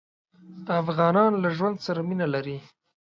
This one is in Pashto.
افغانان له ژوند سره مينه لري.